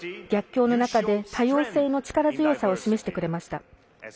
逆境の中で多様性の力強さを示してくれました。